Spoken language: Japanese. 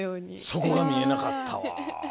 そこが見えなかったわ。